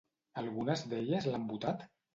Algunes d'elles l'han votat?